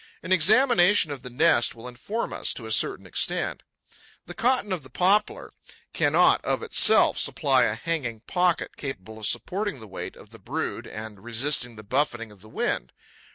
An examination of the nest will inform us, to a certain extent. The cotton of the poplar cannot, of itself, supply a hanging pocket capable of supporting the weight of the brood and resisting the buffeting of the wind.